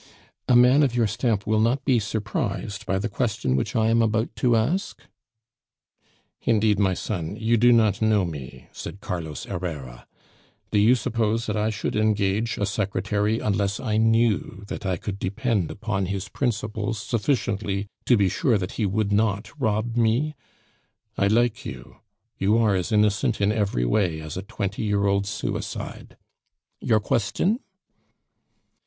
"A man of your stamp will not be surprised by the question which I am about to ask?" "Indeed, my son, you do not know me," said Carlos Herrera. "Do you suppose that I should engage a secretary unless I knew that I could depend upon his principles sufficiently to be sure that he would not rob me? I like you. You are as innocent in every way as a twenty year old suicide. Your question?"